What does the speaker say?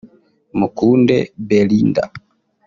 Mukunde Belinda